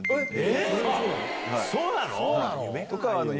そうなの？